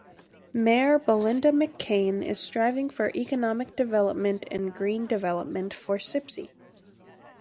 Mayor Belinda McCain is striving for economic development and green development for Sipsey.